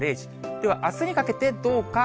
では、あすにかけてどうか。